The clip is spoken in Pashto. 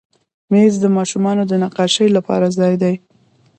مېز د ماشومانو نقاشۍ لپاره ځای دی.